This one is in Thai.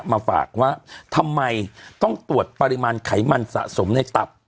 มาฝากว่าทำไมต้องตรวจปริมาณไขมันสะสมในตับ